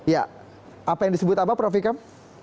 ya apa yang disebut apa prof ikam